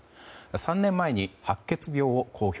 ３年前に白血病を公表。